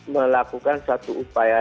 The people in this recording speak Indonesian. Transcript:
melakukan satu upaya